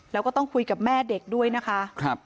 แล้วก็ต้องคุยกับแม่เด็กด้วยนะคะ